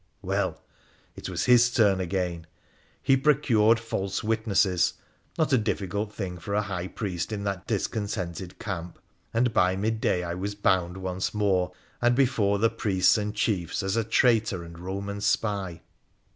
Well. It was his turn again. He procured false witnesses — not a difficult thing for a high priest in that discontented camp — and by midday I was bound once more, and before the priests and chiefs as a traitor and Roman spy.